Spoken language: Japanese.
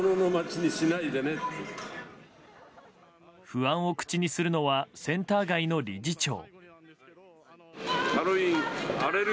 不安を口にするのはセンター街の理事長。